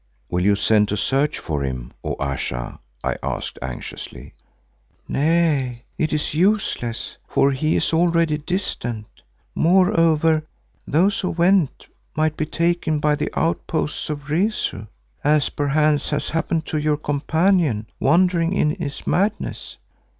"Will you send to search for him, O Ayesha?" I asked anxiously. "Nay, it is useless, for he is already distant. Moreover those who went might be taken by the outposts of Rezu, as perchance has happened to your companion wandering in his madness.